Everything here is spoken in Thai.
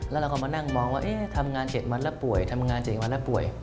แล้วเราก็มานั่งมองว่าทำงาน๗วันแล้วป่วยทำงาน๗วันแล้วป่วย